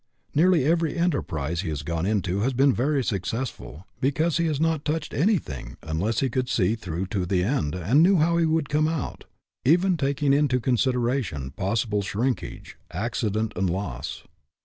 Nearly every enterprise he has gone into has been very successful, because he has not touched anything unless he could see through to the end and knew how he would come out (even taking into consideration possi ble shrinkage, accident, and loss).